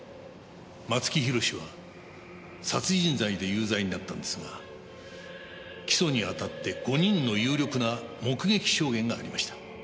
松木弘は殺人罪で有罪になったんですが起訴にあたって５人の有力な目撃証言がありました。